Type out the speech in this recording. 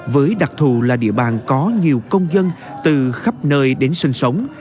với đặc thù là địa bàn có nhiều công dân từ khắp nơi đến sinh sống